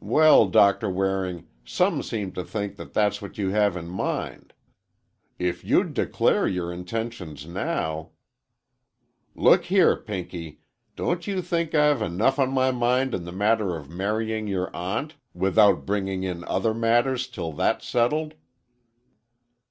"Well, Doctor Waring, some seem to think that's what you have in mind. If you'd declare your intentions now,—" "Look here, Pinky, don't you think I've enough on my mind in the matter of marrying your aunt, without bringing in other matters till that's settled."